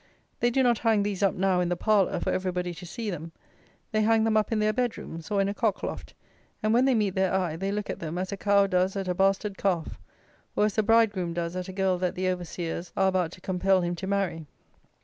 They do not hang these up now in the "parlour" for everybody to see them: they hang them up in their bedrooms, or in a cockloft; and when they meet their eye, they look at them as a cow does at a bastard calf, or as the bridegroom does at a girl that the overseers are about to compel him to marry.